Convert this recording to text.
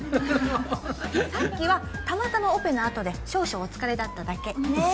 さっきはたまたまオペのあとで少々お疲れだっただけねえ